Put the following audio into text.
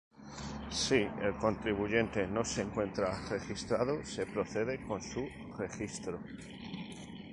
Si el contribuyente no se encuentra registrado se procede con su registro.